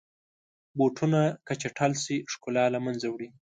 بوټونه که چټل شي، ښکلا له منځه وړي.